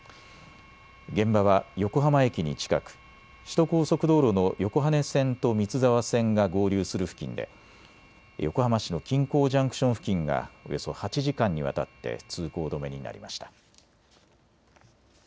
現場は横浜駅に近く首都高速道路の横羽線と三ツ沢線が合流する付近で横浜市の金港ジャンクション付近がおよそ８時間にわたって通行止めになりました。